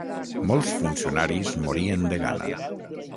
Molts funcionaris morien de gana.